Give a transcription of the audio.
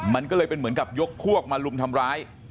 มันก็เลยเป็นเหมือนกับยกพวกมาลุมทำร้าย